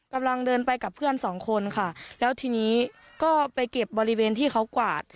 กำลังเดินไปกับเพื่อนสองคนค่ะแล้วทีนี้ก็ไปเก็บบริเวณที่เขากวาด